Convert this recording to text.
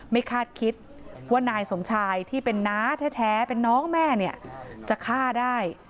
คาดคิดว่านายสมชายที่เป็นน้าแท้เป็นน้องแม่เนี่ยจะฆ่าได้